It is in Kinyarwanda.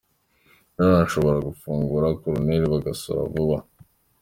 Meron ashobora gufungura Col Bagosora vuba .